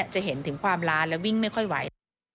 จะเห็นถึงความล้านและวิ่งไม่ค่อยไหว